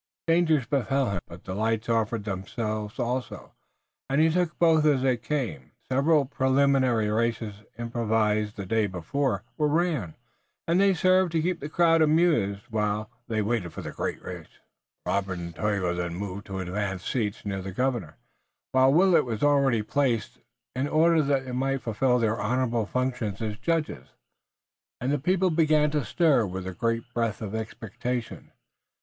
Dangers befell him, but delights offered themselves also, and he took both as they came. Several preliminary races, improvised the day before, were run, and they served to keep the crowd amused, while they waited for the great match. Robert and Tayoga then moved to advanced seats near the Governor, where Willet was already placed, in order that they might fulfill their honorable functions as judges, and the people began to stir with a great breath of expectation.